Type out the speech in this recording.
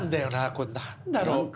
これ何だろう。